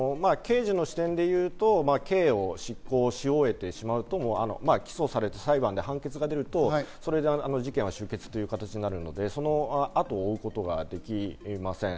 刑事の視点で言うと、刑を執行し終えてしまうと、起訴されて裁判で判決が出ると、その事件は終結となるので後を追うことができません。